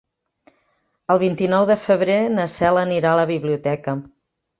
El vint-i-nou de febrer na Cel anirà a la biblioteca.